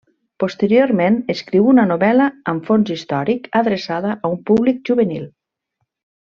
Posteriorment escriu una novel·la amb fons històric adreçada a un públic juvenil.